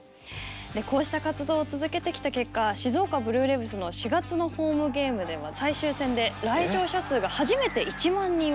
こうした活動を続けてきた結果静岡ブルーレヴズの４月のホームゲームでは最終戦で来場者数が初めて１万人を超えた。